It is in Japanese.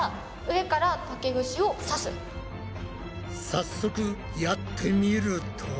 早速やってみると。